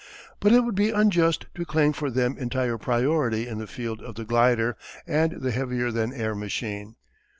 But it would be unjust to claim for them entire priority in the field of the glider and the heavier than air machine.